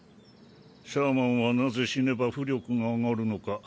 シャーマンはなぜ死ねば巫力が上がるのか